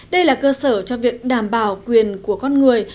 đây là cơ sở cho việc đảm bảo quyền của con người